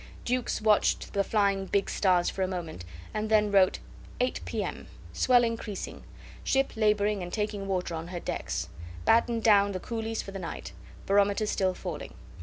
Jukes watched the flying big stars for a moment, and then wrote: "8 P.M. Swell increasing. Ship labouring and taking water on her decks. Battened down the coolies for the night. Barometer still falling."